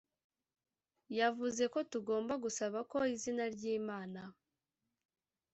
yavuze ko tugomba gusaba ko izina ry imana